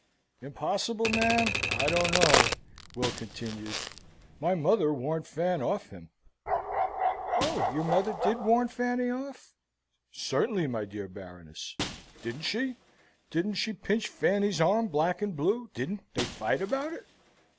"Impossible, ma'am! I don't know," Will continued. "My mother warned Fan off him." "Oh, your mother did warn Fanny off?" "Certainly, my dear Baroness!" "Didn't she? Didn't she pinch Fanny's arm black and blue? Didn't they fight about it?"